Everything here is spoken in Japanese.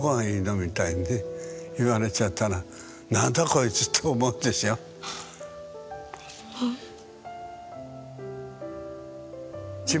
みたいに言われちゃったら「なんだこいつ」って思うでしょう。ですね。